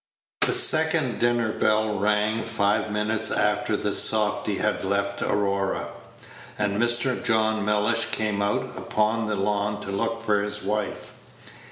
The second dinner bell rang five minutes after the softy had left Aurora, and Mr. John Mellish came out upon the lawn to look for his wife.